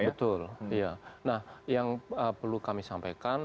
betul nah yang perlu kami sampaikan